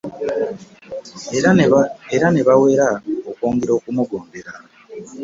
Era ne bawera okwongera okumugondera.